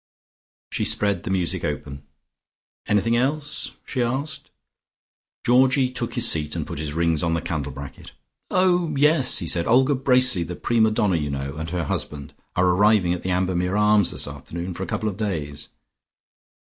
She spread the music open. "Anything else?" she asked. Georgie took his seat and put his rings on the candle bracket. "Oh yes," he said, "Olga Bracely, the prima donna, you know, and her husband are arriving at the Ambermere Arms this afternoon for a couple of days."